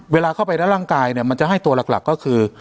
เวลาเข้าไปด้านร่างกายเนี่ยมันจะให้ตัวหลักก็คือ